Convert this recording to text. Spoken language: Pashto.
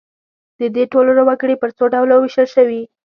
د دې ټولنو وګړي پر څو ډلو وېشل شوي.